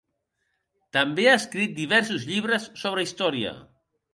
També ha escrit diversos llibres sobre història.